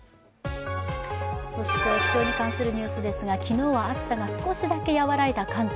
そして気象に関するニュースですが、昨日は暑さが少しだけ和らいだ関東。